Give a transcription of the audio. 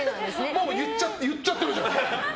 もう言っちゃってるじゃん。